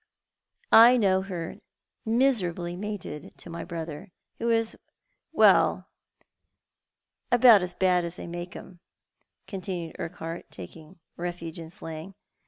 I know her miserably mated to ray brother, who is— well, about as bad as they make 'em," continued Urquhart, taking refuge in slang.